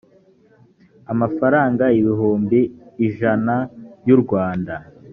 amafaranga ibihumbi ijana y u rwanda